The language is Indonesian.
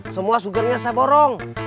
semua sugarnya saya borong